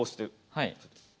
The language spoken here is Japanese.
はい。